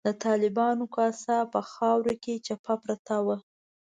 د طالبانو کاسه په خاورو کې چپه پرته وه.